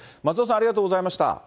松尾さん、ありがとうございました。